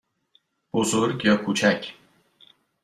بزرگ یا کوچک؟